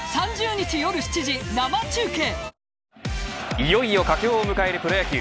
いよいよ佳境を迎えるプロ野球。